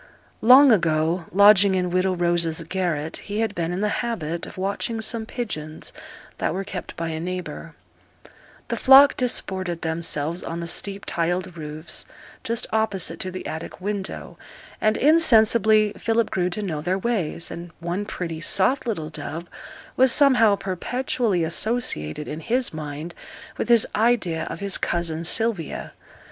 Long ago, lodging in widow Rose's garret, he had been in the habit of watching some pigeons that were kept by a neighbour; the flock disported themselves on the steep tiled roofs just opposite to the attic window, and insensibly Philip grew to know their ways, and one pretty, soft little dove was somehow perpetually associated in his mind with his idea of his cousin Sylvia.